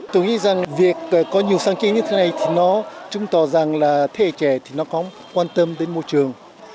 tôi nghĩ rằng việc có nhiều sáng chế như thế này thì nó chứng tỏ rằng là thế hệ trẻ thì nó có quan tâm đến môi trường